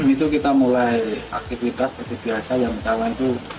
itu kita mulai aktivitas seperti biasa yang sama itu